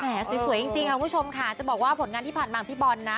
แหน่ะสวยจริงค่ะผลงานที่ผ่านบังพี่บ่อนนะ